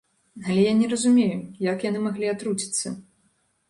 Але я не разумею, як яны маглі атруціцца?